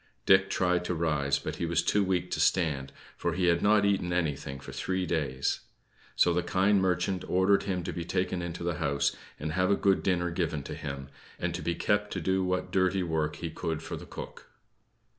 Dick tried to rise, but was too weak to stand, for he had not eaten anything for three days. So the kind merchant ordered him to be taken into the house, and have a good dinner given to him; and to be kept to do what dirty work he could for the cook.